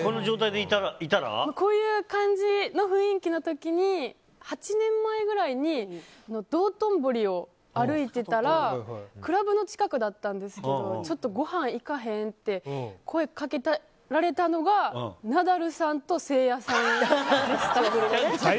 こういう感じの雰囲気の時に８年前くらいに道頓堀を歩いてたらクラブの近くだったんですけどちょっと、ごはん行かへん？って声かけられたのがナダルさんとせいやさんでした。